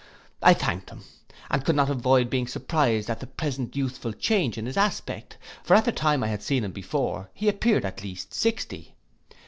I thanked him, and could not avoid being surprised at the present youthful change in his aspect; for at the time I had seen him before he appeared at least sixty.